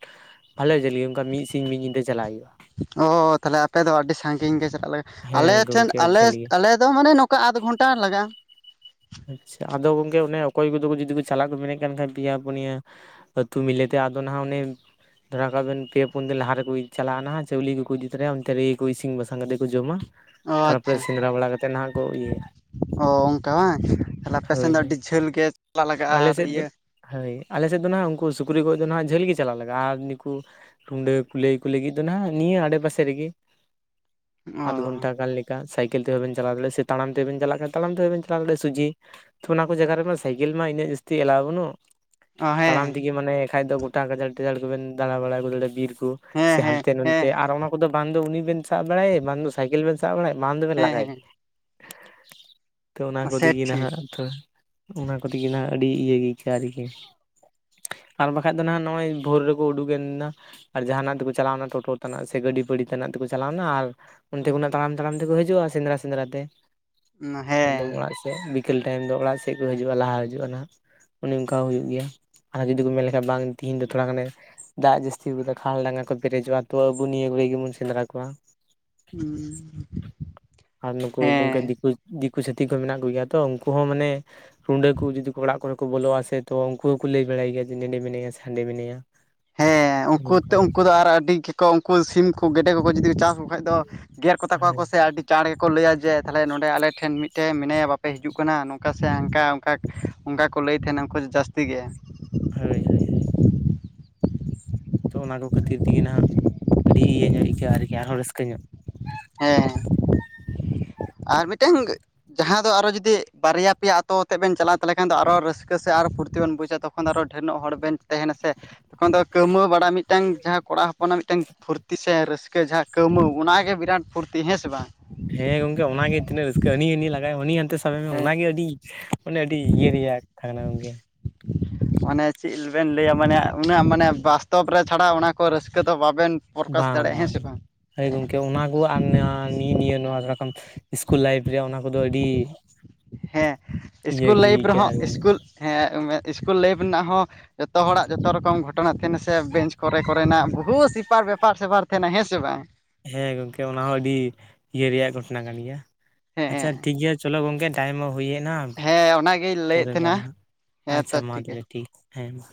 ᱵᱷᱟᱞᱮ ᱡᱟᱹᱞ ᱜᱮ ᱚᱱᱠᱟ ᱢᱤᱫ ᱥᱤᱧ ᱢᱤᱫ ᱧᱤᱫᱟᱹ ᱪᱟᱞᱟᱜ ᱦᱩᱭᱩᱜ-ᱟ ᱾ ᱚᱻ ᱛᱟᱦᱚᱞᱮ ᱟᱯᱮ ᱫᱚ ᱟᱰᱤ ᱥᱟᱺᱜᱤᱧ ᱜᱮ ᱯᱮ ᱛᱟᱦᱞᱮ, ᱟᱞᱮ ᱦᱮᱸ ᱴᱷᱮᱱ ᱜᱚᱝᱠᱮ ᱟᱹᱰᱤ ᱟᱞᱮ ᱡᱷᱟᱹᱞ ᱜᱮ ᱟᱞᱮᱼᱼ ᱫᱚ ᱢᱟᱱᱮ ᱱᱚᱝᱠᱟ ᱟᱫᱷ ᱜᱷᱚᱱᱴᱟ ᱞᱟᱜᱟᱜ-ᱟ ᱾ ᱟᱪᱪᱷᱟ ᱟᱫᱚ ᱜᱚᱝᱠᱮ ᱚᱱᱮ ᱚᱠᱚᱭ ᱠᱚᱫᱚ ᱡᱩᱫᱤ ᱠᱚ ᱪᱟᱞᱟᱜ ᱠᱚ ᱢᱮᱱᱮᱜ ᱠᱟᱱ ᱠᱷᱟᱡ ᱯᱮᱭᱟ ᱯᱩᱱᱭᱟᱹᱼᱼ ᱟᱹᱛᱩ ᱢᱤᱞᱮ ᱛᱮ ᱟᱫᱚ ᱱᱟᱸᱜ ᱩᱱᱤᱼᱼ ᱫᱷᱚᱨᱟ ᱠᱟᱜ ᱵᱮᱱ ᱯᱮ ᱯᱩᱱ ᱫᱤᱱ ᱞᱟᱦᱟ ᱨᱮᱠᱚ ᱪᱟᱞᱟᱜ-ᱟ ᱱᱟᱸᱜ ᱪᱟᱹᱣᱞᱤ ᱠᱩᱠᱩ ᱤᱫᱤ ᱛᱚᱨᱟᱭᱟ ᱚᱱᱛᱮ ᱨᱤᱜᱤ‌ ᱠᱩ ᱤᱥᱤᱱ ᱵᱟᱥᱟᱝ ᱠᱟᱛᱮᱜ ᱠᱩ ᱡᱚᱢᱟ ᱚ ᱾ ᱟᱪᱪᱷᱟ ᱛᱟᱨᱯᱚᱨᱮ ᱥᱮᱸᱫᱽᱨᱟ ᱵᱟᱲᱟ ᱠᱟᱛᱮᱜ ᱱᱟᱦᱟᱸᱜ ᱠᱚ ᱤᱭᱟᱹ ᱭᱟ ᱾ ᱚ ᱚᱱᱠᱟ ᱵᱟᱝ, ᱛᱟᱦᱚᱞᱮ ᱟᱯᱮ ᱥᱮᱱ ᱦᱳᱭ ᱫᱚ ᱦᱳᱭ ᱟᱹᱰᱤ ᱡᱷᱟᱹᱞ ᱜᱮ ᱪᱟᱞᱟᱜ ᱞᱟᱜᱟᱜ-ᱟ ᱟᱞᱮ ᱟᱨ ᱥᱮᱫ ᱫᱚ ᱤᱭᱟᱹᱼᱼ ᱦᱳᱭ ᱟᱞᱮ ᱥᱮᱫ ᱫᱚ ᱱᱟᱦᱟᱸᱜ ᱩᱱᱠᱩ ᱥᱩᱠᱨᱤ ᱜᱚᱡ ᱫᱚ ᱱᱟᱦᱟᱸᱜ ᱡᱷᱟᱹᱞ ᱜᱮ ᱪᱟᱞᱟᱜ ᱞᱟᱜᱟᱜ-ᱟ, ᱟᱨ ᱱᱤᱠᱩᱼᱼ ᱨᱩᱸᱰᱟᱹ ᱠᱩᱞᱟᱹᱭ ᱠᱚ ᱞᱟᱹᱜᱤᱫ ᱫᱚ ᱱᱟᱦᱟᱸᱜ ᱱᱤᱭᱟᱹ ᱟᱰᱮ ᱯᱟᱥᱮ ᱨᱮᱜᱮ ᱾ ᱟᱫᱷ ᱚ ᱜᱷᱚᱱᱴᱟ ᱜᱟᱱ ᱞᱮᱠᱟ, ᱥᱟᱭᱠᱮᱞ ᱛᱮᱦᱚᱸ ᱵᱮᱱ ᱪᱟᱞᱟᱣ ᱫᱟᱲᱮᱭᱟᱜ ᱥᱮ ᱛᱟᱲᱟᱢ ᱛᱮᱵᱮᱱ ᱪᱟᱞᱟᱜ ᱠᱷᱟᱱ ᱛᱟᱲᱟᱢ ᱛᱮᱦᱚᱸ ᱵᱮᱱ ᱪᱟᱞᱟᱣ ᱫᱟᱲᱮᱭᱟᱜ-ᱟ᱾ ᱥᱩᱡᱤ, ᱚᱱᱟ ᱠᱚ ᱡᱟᱭᱜᱟ ᱨᱮᱢᱟ ᱥᱟᱭᱠᱮᱞ ᱢᱟ ᱤᱱᱟᱹᱜ ᱡᱟᱹᱥᱛᱤ ᱮᱞᱟᱣ ᱵᱟᱹᱱᱩᱜᱼᱟ ᱚ ᱾ ᱛᱟᱲᱟᱢ ᱦᱮᱸ ᱛᱮᱜᱮ ᱢᱟᱱᱮ ᱮᱱᱠᱷᱟᱡ ᱫᱚ ᱜᱚᱴᱟ ᱜᱟᱡᱟᱲ ᱴᱟᱡᱟᱲ ᱠᱩᱵᱮᱱ ᱫᱟᱬᱟ ᱵᱟᱲᱟᱭᱟ ᱜᱩᱫᱽᱲᱟᱹ ᱵᱤᱨ ᱠᱩ ᱾ ᱦᱮᱸ ᱥᱮ ᱦᱮᱸ ᱦᱟᱱᱛᱮ ᱱᱟᱱᱛᱮ ᱦᱮᱸ ᱟᱨ ᱚᱱᱟ ᱠᱚᱫᱚ ᱵᱟᱝ ᱫᱚ ᱩᱱᱤ ᱵᱮᱱ ᱥᱟᱵ ᱵᱟᱲᱟᱭᱮ ᱵᱟᱝ ᱫᱚᱼᱼ ᱥᱟᱭᱠᱮᱞ ᱵᱮᱱ ᱥᱟᱵ ᱵᱟᱲᱟᱭ ᱵᱟᱝ ᱫᱚᱵᱮᱱ ᱦᱮᱸ ᱞᱟᱜᱟᱭᱮ, ᱦᱮᱸ ᱛᱚ ᱚᱱᱟ ᱠᱚ ᱥᱮ ᱛᱤᱜᱤ ᱴᱷᱤᱠ ᱱᱟᱦᱟᱸᱜᱼᱼ ᱛᱷᱚ ᱚᱱᱟ ᱠᱚ ᱛᱤᱜᱤ ᱱᱟᱦᱟᱸᱜ ᱟᱹᱰᱤ ᱤᱭᱟᱹ ᱜᱮ ᱤᱭᱠᱟᱹᱜ-ᱟ ᱟᱨ ᱜᱤ ᱾ ᱟᱨ ᱵᱟᱠᱷᱟᱡ ᱫᱚ ᱱᱟᱦᱟᱸᱜ ᱱᱚᱜ-ᱚᱭ ᱵᱷᱳᱨ ᱨᱮᱠᱚ ᱩᱰᱩᱠᱮᱱ ᱱᱟ ᱾ ᱟᱨ ᱡᱟᱦᱟᱸᱱᱟᱜ ᱛᱮᱠᱚ ᱪᱟᱞᱟᱣ ᱱᱟ ᱴᱳᱴᱳ ᱛᱟᱱᱟᱜ ᱥᱮ ᱜᱟᱹᱰᱤ ᱯᱟᱹᱲᱤ ᱛᱟᱱᱟᱜ ᱛᱮᱠᱚ ᱪᱟᱞᱟᱣᱱᱟ ᱟᱨᱼᱼ ᱚᱱᱛᱮ ᱠᱷᱚᱱᱟᱜ ᱛᱟᱲᱟᱢ ᱛᱟᱲᱟᱢ ᱛᱮᱠᱚ ᱦᱤᱡᱩᱜ-ᱟ, ᱥᱮᱸᱫᱽᱨᱟ ᱥᱮᱸᱫᱽᱨᱟ ᱛᱮ ᱮᱠᱫᱚᱢ ᱦᱮᱸ ᱚᱲᱟᱜᱼᱼ [unintelligible] ᱵᱤᱠᱮᱞ ᱴᱟᱭᱤᱢ ᱫᱚ ᱚᱲᱟᱜ ᱥᱮᱜ ᱠᱩ ᱦᱟᱹᱡᱩᱜ-ᱟ, ᱞᱟᱦᱟ ᱦᱟᱹᱡᱩᱜ-ᱟ ᱱᱟᱸᱜ ᱾ ᱚᱱᱮ ᱚᱱᱠᱟ ᱦᱩᱭᱩᱜ ᱜᱮᱭᱟ, ᱟᱨ ᱡᱩᱫᱤ ᱠᱚ ᱢᱮᱱ ᱞᱮᱠᱷᱟᱱ ᱵᱟᱝ ᱛᱤᱦᱤᱧ ᱫᱚ ᱛᱷᱚᱲᱟ ᱜᱟᱱᱮᱼᱼ ᱫᱟᱜ ᱡᱟᱹᱥᱛᱤᱣ ᱠᱟᱫᱟ ᱠᱷᱟᱞ ᱰᱟᱸᱜᱟ ᱠᱚ ᱯᱮᱨᱮᱡᱚᱜ-ᱟ, ᱛᱚ ᱟᱹᱵᱩ ᱱᱤᱭᱟᱹ ᱠᱚᱨᱮ ᱜᱤᱵᱩᱱ ᱥᱮᱸᱫᱽᱨᱟ ᱠᱩᱣᱟ ᱾ ᱩᱸ ᱾ ᱟᱨ ᱱᱩᱠᱩ ᱜᱚᱝᱠᱮ ᱫᱤᱠᱩ ᱫᱤᱠᱩ ᱪᱷᱟᱹᱛᱷᱤᱠ ᱠᱚ ᱢᱮᱱᱟᱜ ᱠᱚ ᱜᱮᱭᱟ ᱛᱚ, ᱩᱱᱠᱩ ᱦᱚᱸ ᱢᱟᱱᱮᱼᱼ ᱨᱩᱸᱰᱟᱹ ᱠᱩ ᱡᱩᱫᱤ ᱚᱲᱟᱜ ᱠᱚᱨᱮ ᱠᱚ ᱵᱚᱞᱚᱜ-ᱟ ᱥᱮ ᱛᱚ ᱩᱱᱠᱩ ᱦᱚᱸ ᱠᱩ ᱞᱟᱹᱭ ᱵᱟᱲᱟᱭ ᱜᱮᱭᱟ ᱡᱮ ᱱᱮᱸᱰᱮ ᱢᱮᱱᱟᱭᱟ ᱥᱮ ᱦᱟᱸᱰᱮ ᱢᱤᱱᱟᱭᱟ ᱾ [unintelligible] ᱦᱮᱸ ᱩᱱᱠᱩ ᱛᱮ ᱩᱱᱠᱩ ᱫᱚ ᱟᱨ ᱟᱹᱰᱤ ᱜᱮᱠᱚ ᱩᱱᱠᱩ ᱥᱤᱢ ᱠᱚ ᱜᱮᱰᱮ ᱠᱚᱠᱚ ᱡᱩᱫᱤ ᱠᱚ ᱪᱟᱥ ᱠᱚ ᱠᱷᱟᱡ ᱫᱚᱼᱼ ᱜᱮᱨ ᱠᱚ ᱛᱟᱠᱚᱣᱟ ᱠᱚ ᱦᱳᱭ ᱥᱮ ᱟᱹᱰᱤᱼᱼ ᱪᱟᱬ ᱜᱮᱠᱚ ᱞᱟᱹᱭᱟ ᱡᱮ ᱛᱟᱦᱚᱞᱮ ᱱᱚᱰᱮ ᱟᱞᱮ ᱴᱷᱮᱱ ᱢᱤᱫᱴᱟᱹᱝ ᱢᱮᱱᱟᱭᱟ ᱵᱟᱯᱮ ᱦᱤᱡᱩᱜ ᱠᱟᱱᱟ ᱱᱚᱝᱠᱟ ᱥᱮ ᱦᱟᱱᱠᱟᱼᱼ ᱠᱟᱠ, ᱚᱱᱠᱟ ᱠᱚ ᱞᱟᱹᱭ ᱛᱟᱸᱦᱮᱱᱟ ᱩᱱᱠᱩ‌ ᱫᱚ ᱡᱟᱹᱥᱛᱤ ᱜᱮ ᱾ ᱦᱳᱭ ᱦᱳᱭ ᱦᱳᱭ ᱾ ᱛᱚ ᱚᱱᱟ ᱠᱚ ᱠᱷᱟᱹᱛᱤᱨ ᱛᱤᱜᱤ ᱱᱟᱦᱟᱸᱜ ᱟᱹᱰᱤ ᱤᱭᱟᱹ ᱧᱚᱜ ᱤᱭᱠᱟᱹᱜ-ᱟ ᱟᱨ ᱠᱤ ᱟᱨᱦᱚᱸ ᱨᱟᱹᱥᱠᱟᱹ ᱧᱚᱜ᱾ ᱦᱮᱸ᱾ ᱟᱨ ᱢᱤᱫᱴᱮᱝᱼᱼ ᱡᱟᱦᱟᱸ ᱫᱚ ᱟᱨᱚ ᱡᱩᱫᱤ ᱵᱟᱨᱭᱟ ᱯᱮᱭᱟ ᱟᱛᱳ ᱟᱛᱮᱜ ᱵᱮᱱ ᱪᱟᱞᱟᱜ ᱛᱟᱦᱚᱞᱮ ᱠᱷᱟᱱ ᱟᱨᱚ ᱨᱟᱹᱥᱠᱟᱹ ᱟᱨᱚ ᱯᱷᱩᱨᱛᱤ ᱵᱮᱱ ᱵᱩᱡᱽᱼᱼ ᱪᱮ ᱛᱚᱠᱷᱚᱱ ᱟᱨᱚ ᱰᱷᱮᱨ ᱱᱚᱜ ᱦᱚᱲ ᱵᱮᱱ ᱛᱮᱦᱮᱱᱟ ᱥᱮ᱾ ᱠᱷᱚᱱ ᱫᱚ ᱠᱟᱹᱣ ᱢᱟᱹᱣ ᱵᱟᱲᱟ ᱢᱤᱫᱴᱟᱝ ᱡᱟᱦᱟᱸ ᱠᱚᱲᱟ ᱦᱚᱯᱚᱱᱟᱜ ᱢᱤᱫᱴᱟᱝ ᱯᱷᱩᱨᱛᱤ ᱥᱮ ᱨᱟᱹᱥᱼᱼ ᱠᱟᱹ ᱡᱟᱦᱟᱸ ᱠᱟᱹᱣ ᱢᱟᱹᱣ ᱚᱱᱟ ᱜᱮ ᱵᱤᱨᱟᱴ ᱯᱷᱩᱨᱛᱤ ᱦᱮᱸ ᱥᱮ ᱵᱟᱝ? ᱦᱮᱸ ᱜᱚᱝᱠᱮ ᱚᱱᱟ ᱜᱮ ᱛᱤᱱᱟᱹᱜ ᱨᱟᱹᱥᱠᱟᱹ ᱦᱟᱹᱱᱤ ᱟᱹᱱᱤ ᱞᱟᱜᱟ ᱭᱮᱢ‌ ᱦᱟᱹᱱᱤ ᱦᱟᱱᱛᱮ ᱥᱟᱵᱮ ᱢᱮ ᱦᱮᱸ ᱚᱱᱟ ᱜᱮ ᱟᱹᱰᱤᱼᱼ ᱢᱟᱱᱮ ᱟᱹᱰᱤ ᱤᱭᱟᱹ ᱨᱮᱭᱟᱜ ᱠᱟᱛᱷᱟ ᱠᱟᱱᱟ ᱜᱚᱝᱠᱮ᱾ ᱢᱟᱱᱮ ᱪᱤᱜ ᱞᱮ‌ ᱵᱮᱱ ᱞᱟᱹᱭᱟ ᱢᱟᱱᱮ ᱩᱱᱟᱹᱜ ᱢᱟᱱᱮ ᱵᱟᱥᱛᱚᱵᱽ ᱨᱮ ᱪᱷᱟᱲᱟ ᱚᱱᱟ ᱠᱚ ᱨᱟᱹᱥᱠᱟᱹ ᱫᱚ ᱵᱟᱵᱮᱱᱼᱼ ᱵᱟᱝ ᱵᱟᱝ ᱦᱳᱭ ᱜᱚᱝᱠᱮ ᱚᱱᱟ ᱠᱚ ᱟᱨ ᱱᱟᱶᱟ ᱱᱤᱭᱟᱹ ᱱᱤᱭᱟᱹ ᱱᱚᱣᱟ ᱥᱟᱜ ᱠᱟᱢᱼᱼ ᱤᱥᱠᱩᱞ ᱞᱟᱭᱤᱯᱷ ᱨᱮ ᱚᱱᱟ ᱠᱚᱫᱚ ᱟᱹᱰᱤ ᱦᱮᱸ ᱤᱭᱟᱹ ᱤᱥᱠᱩᱞ ᱜᱮ ᱞᱟᱭᱤᱯᱷ ᱤᱭᱠᱟᱹᱜ-ᱟ ᱨᱮᱦᱚᱸ ᱜᱚᱝᱠᱮ᱾ ᱤᱥᱠᱩᱞ ᱦᱮᱸ ᱢᱮᱜ ᱤᱥᱠᱩᱞ ᱞᱟᱭᱤᱯᱷ ᱨᱮᱱᱟᱜ ᱦᱚᱸ ᱡᱚᱛᱚ ᱦᱚᱲᱟᱜ ᱡᱚᱛᱚ ᱨᱚᱠᱚᱢ ᱜᱷᱚᱴᱚᱱᱟ ᱛᱟᱦᱮᱱᱟ ᱥᱮ ᱵᱮᱧᱪ ᱠᱚᱨᱮ ᱠᱚᱨᱮᱱᱟᱜ ᱵᱚᱦᱩᱛ ᱥᱮᱯᱟᱨ ᱵᱮᱯᱟᱨ ᱥᱮᱯᱟᱨ ᱛᱟᱦᱮᱱᱟ ᱦᱮᱸ ᱥᱮ ᱵᱟᱝ? ᱦᱮᱸ ᱜᱚᱝᱠᱮ ᱚᱱᱟ ᱦᱚᱸ ᱟᱹᱰᱤ ᱤᱭᱟᱹ ᱨᱮᱭᱟᱜ ᱜᱷᱚᱴᱚᱱᱟ ᱠᱟᱱ ᱜᱮᱭᱟ ᱟᱪᱷᱟ ᱦᱮᱸ ᱴᱷᱤᱠ ᱜᱮᱭᱟ ᱪᱚᱞᱚ ᱜᱚᱝᱠᱮ ᱴᱟᱭᱤᱢ ᱦᱚᱸ ᱦᱩᱭ ᱮᱱᱟ ᱦᱮᱸ ᱚᱱᱟᱜᱤᱧ ᱞᱟᱹᱭᱮᱫ ᱯᱚᱨᱮ ᱵᱟᱨ ᱛᱟᱦᱮᱱᱟ ᱱᱟᱜ ᱦᱮᱸ ᱟᱪᱷᱟ ᱛᱚ ᱢᱟ ᱜᱮᱭᱟ ᱛᱟᱞᱮ ᱴᱷᱤᱠ ᱦᱮᱸᱢᱟ᱾